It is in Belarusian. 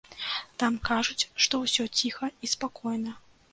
Там, кажуць, што ўсё ціха і спакойна.